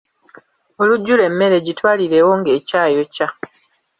Olujjula emmere gitwalirewo nga ekyayokya.